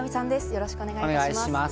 よろしくお願いします。